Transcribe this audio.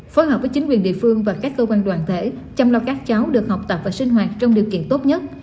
phối hợp với chính quyền địa phương và các cơ quan đoàn thể chăm lo các cháu được học tập và sinh hoạt trong điều kiện tốt nhất